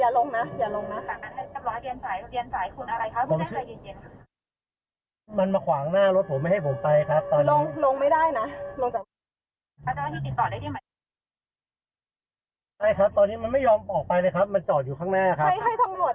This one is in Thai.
แล้วไม่ยอมออกไปเลยครับมันจอดอยู่ข้างหน้าครับ